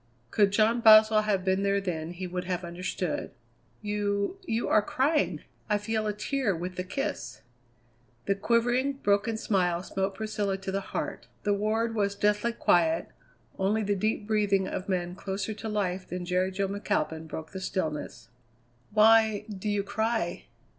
Could John Boswell have been there then he would have understood. "You you are crying! I feel a tear with the kiss!" The quivering, broken smile smote Priscilla to the heart. The ward was deathly quiet; only the deep breathing of men closer to life than Jerry Jo McAlpin broke the stillness. "Why do you cry?"